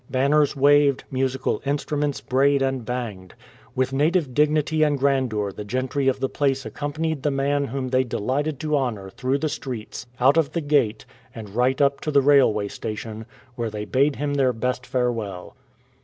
Banners waved, musical instruments brayed and banged. With native dignity and gi'andeur the gentry of the place accompanied the man whom they delighted to honour through the streets, out of the gate, and right up to the railway station, where they bade him their best farewell.